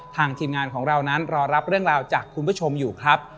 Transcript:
ทีมงานของเรานั้นรอรับเรื่องราวจากคุณผู้ชมอยู่ครับ